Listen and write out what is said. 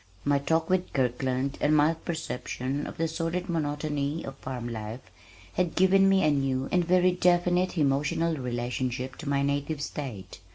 My talk with Kirkland and my perception of the sordid monotony of farm life had given me a new and very definite emotional relationship to my native state.